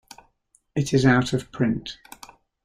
It is out of print.